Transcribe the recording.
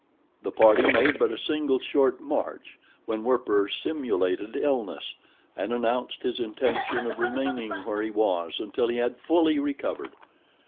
The party made but a single short march when Werper simulated illness, and announced his intention of remaining where he was until he had fully recovered.